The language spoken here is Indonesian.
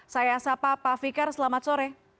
saya sapa pak fikar selamat sore